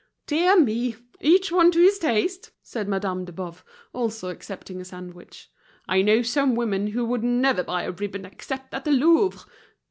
"Dear me! each one to his taste," said Madame de Boves, also accepting a sandwich. "I know some women who would never buy a ribbon except at the Louvre.